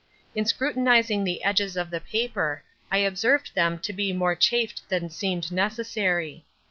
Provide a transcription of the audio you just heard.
In scrutinizing the edges of the paper, I observed them to be more chafed than seemed necessary.